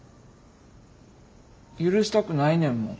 許したくないねんもん。